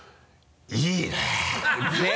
いいねぇ！